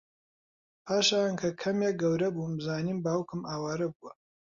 پاشان کە کەمێک گەورەبووم زانیم باوکم ئاوارە بووە